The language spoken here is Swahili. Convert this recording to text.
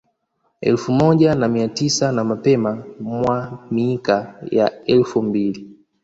Elfu moja na mia tisa na mapema mwa mika ya elfu mbili